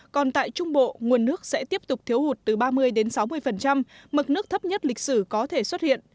còn tại trung bộ nguồn nước sẽ tiếp tục thiếu hụt từ ba mươi đến sáu mươi mực nước thấp nhất lịch sử có thể xuất hiện